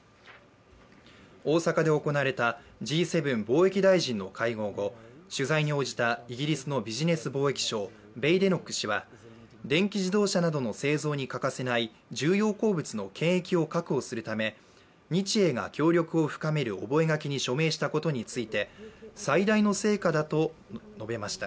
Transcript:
大阪で行われたＧ７貿易大臣の会合後、取材に応じたイギリスのビジネス貿易相ベイデノック氏は電気自動車などの製造に欠かせない重要鉱物の権益を確保するため日英が協力を深める覚書に署名したことについて最大の成果だと述べました。